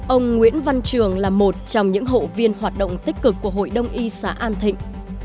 ông nguyễn văn trường là một trong những hội viên hoạt động tích cực của hội đông y xã an thịnh